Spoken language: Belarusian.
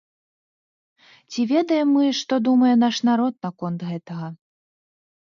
Ці ведаем мы, што думае наш народ наконт гэтага?